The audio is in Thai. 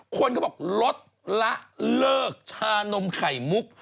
คนเขาบอกลดละเลิกชานมไข่มุก